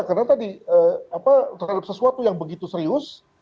karena tadi terhadap sesuatu yang begitu serius